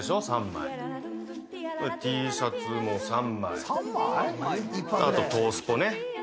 ３枚Ｔシャツも３枚あと東スポね